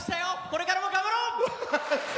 これからも頑張ろう！